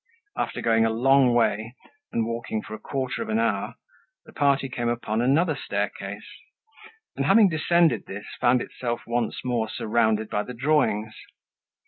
After going a long way, and walking for a quarter of an hour, the party came upon another staircase; and, having descended this, found itself once more surrounded by the drawings.